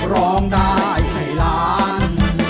ร้องได้ให้ล้าน